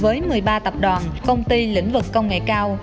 với một mươi ba tập đoàn công ty lĩnh vực công nghệ cao